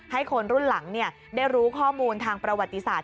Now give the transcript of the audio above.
ให้คนรุ่นหลังได้รู้ข้อมูลทางประวัติศาสต